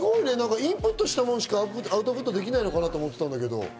インプットしたものしかアウトプットできないと思ってたんだけど。